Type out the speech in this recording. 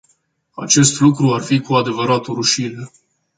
Acest lucru ar fi cu adevărat o rușine.